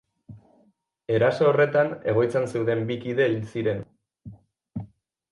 Eraso horretan, egoitzan zeuden bi kide hil ziren.